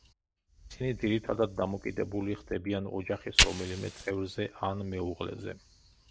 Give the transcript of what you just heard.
ისინი ძირითადად დამოკიდებული ხდებიან ოჯახის რომელიმე წევრზე ან მეუღლეზე.